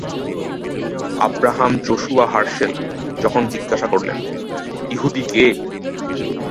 Abraham Joshua হার্শেল যখন জিজ্ঞাসা করলেন, "ইহুদি কে?"